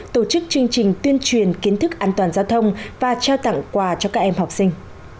tổ chức chương trình tuyên truyền kiến thức an toàn giao thông và trao tặng quà cho các em học sinh